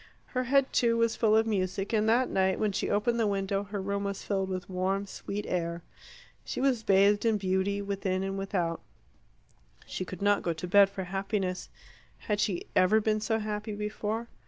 Her head, too, was full of music, and that night when she opened the window her room was filled with warm, sweet air. She was bathed in beauty within and without; she could not go to bed for happiness. Had she ever been so happy before?